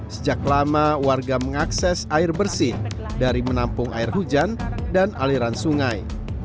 sejak lama warga mengakses air bersih dari menampung air hujan dan aliran sungai